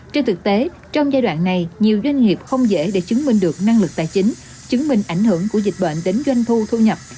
trên thực tế trong giai đoạn này nhiều doanh nghiệp không dễ để chứng minh được năng lực tài chính chứng minh ảnh hưởng của dịch bệnh đến doanh thu thu nhập